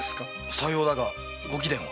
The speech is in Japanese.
さようだがご貴殿は？